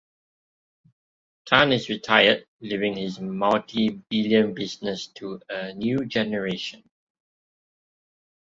Tan is retired, leaving his multi-billion business to a new generation.